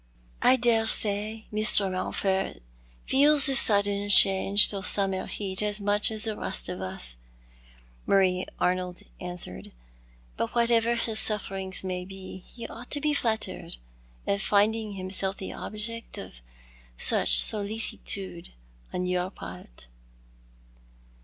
" I daresay Mr. Mountford feels the sudden change to summer heat as much as the rest of us," Marie Arnold answered, "but whatever his sufferings may be, he ought to be flattered at finding himself the object of such solicitude on your part."